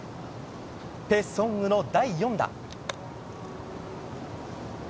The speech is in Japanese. ペ・ソンウの第４打。